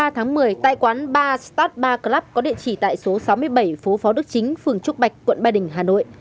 hai mươi ba tháng một mươi tại quán bar star tree club có địa chỉ tại số sáu mươi bảy phố phó đức chính phường trúc bạch quận bà đình hà nội